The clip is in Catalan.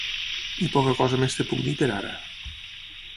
I poca cosa més et puc dir per ara.